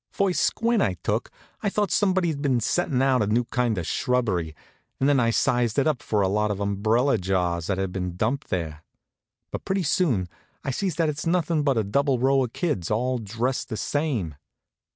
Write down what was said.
First squint I took I thought somebody'd been settin' out a new kind of shrubbery, and then I sized it up for a lot of umbrella jars that had been dumped there. But pretty soon I sees that it's nothin' but a double row of kids, all dressed the same.